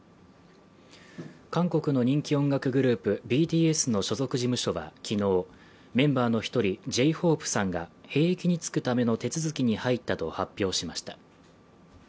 韓国の人気音楽グループＢＴＳの所属事務所は昨日、メンバーの１人Ｊ−ＨＯＰＥさんが兵役に就くための手続きに入ったと発表しました。